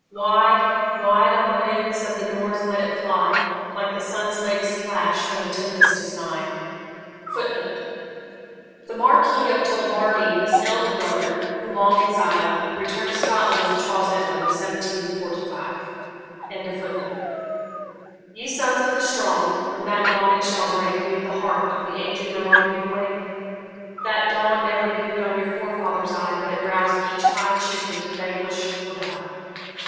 Wide, wide on the winds of the north let it fly, Like the sun's latest flash when the tempest is nigh! [Footnote: The Marquis of Tullibardine's elder brother, who, long exiled, returned to Scotland with Charles Edward in 1745.] Ye sons of the strong, when that dawning shall break, Need the harp of the aged remind you to wake? That dawn never beam'd on your forefathers' eye, But it roused each high chieftain to vanquish or die.